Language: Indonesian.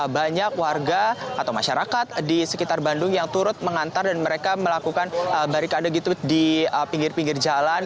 banyak warga atau masyarakat di sekitar bandung yang turut mengantar dan mereka melakukan barikade gitu di pinggir pinggir jalan